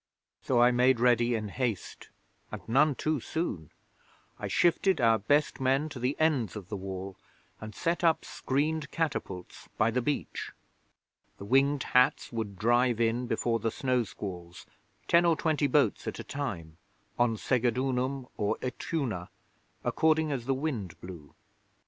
So I made ready in haste, and none too soon. I shifted our best men to the ends of the Wall, and set up screened catapults by the beach. The Winged Hats would drive in before the snow squalls ten or twenty boats at a time on Segedunum or Ituna, according as the wind blew.